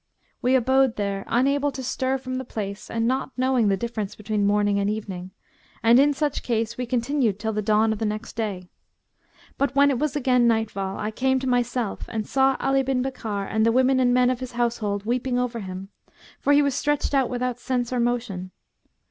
We abode there, unable to stir from the place and not knowing the difference between morning and evening; and in such case we continued till the dawn of the next day. And when it was again nightfall, I came to myself and saw Ali bin Bakkar and the women and men of his household weeping over him, for he was stretched out without sense or motion.